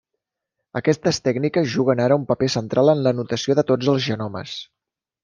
Aquestes tècniques juguen ara un paper central en l'anotació de tots els genomes.